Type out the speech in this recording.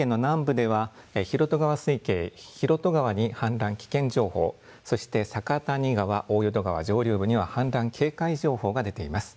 宮崎県の南部では広渡川水系広渡川に氾濫危険情報そして酒谷川、大淀川上流部には氾濫警戒情報が出ています。